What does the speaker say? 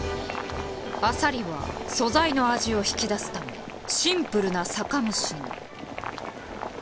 アサリは素材の味を引き出すためシンプルな酒蒸しに。